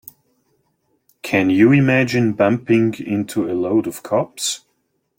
Can you imagine bumping into a load of cops?